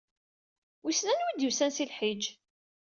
Wissen anwa i d-yusa si Lḥiǧ?